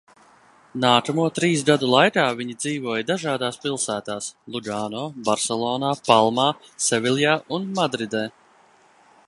Nākamo trīs gadu laikā viņi dzīvoja dažādās pilsētās: Lugāno, Barselonā, Palmā, Seviljā un Madridē.